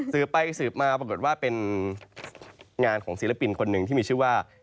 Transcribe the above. สืบไปสืบมาปรากฏว่าเป็นงานของศิลปินคนหนึ่งที่มีชื่อว่า